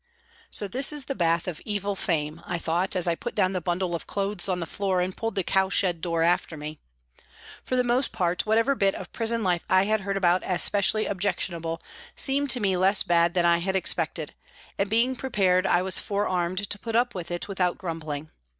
" So this is the bath of evil fame," I thought, as I put down the bundle of clothes on the floor and pulled the cowshed door after me. For the most part, whatever bit of prison life I had heard about as specially objectionable seemed to me less bad than I had expected, and being prepared I was forearmed to put up with it without grumbling.